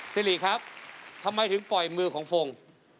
สิริครับทำไมถึงปล่อยมือของฟง